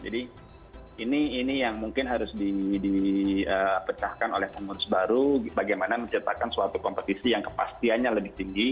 jadi ini yang mungkin harus dipecahkan oleh pengurus baru bagaimana menciptakan suatu kompetisi yang kepastiannya lebih tinggi